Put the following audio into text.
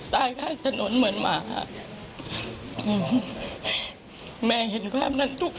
ใต้ข้างถนนเหมือนหมาแม่เห็นภาพนั้นทุกวัน